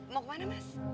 mau kemana mas